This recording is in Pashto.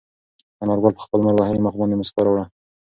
انارګل په خپل لمر وهلي مخ باندې موسکا راوړه.